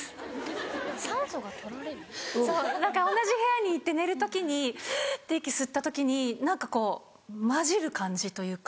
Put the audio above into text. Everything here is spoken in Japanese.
・そう何か同じ部屋にいて寝る時にはぁって息吸った時に何かこう混じる感じというか。